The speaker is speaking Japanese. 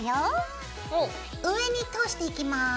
上に通していきます。